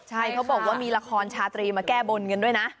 ใช่เขาบอกว่ามีละครชาตรีมาแก้บนกันด้วยนะ